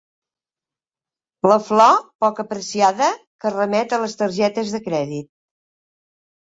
La flor, poc apreciada, que remet a les targetes de crèdit.